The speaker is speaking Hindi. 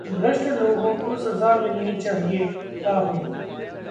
भ्रष्ट लोगों को सजा मिलनी चाहिए: राहुल